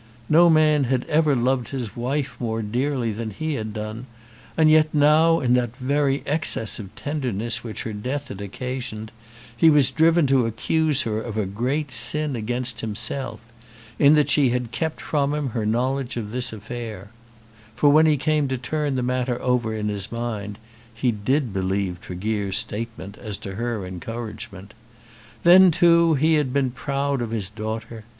No man had ever loved his wife more dearly than he had done; and yet now, in that very excess of tenderness which her death had occasioned, he was driven to accuse her of a great sin against himself, in that she had kept from him her knowledge of this affair; for, when he came to turn the matter over in his mind, he did believe Tregear's statement as to her encouragement. Then, too, he had been proud of his daughter.